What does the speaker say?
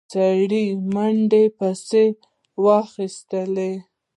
سړي منډه پسې واخيسته.